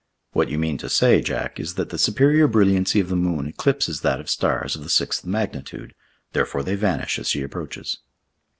"What you mean to say, Jack, is that the superior brilliancy of the moon eclipses that of stars of the sixth magnitude, therefore they vanish as she approaches."